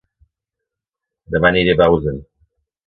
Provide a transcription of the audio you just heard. Dema aniré a Bausen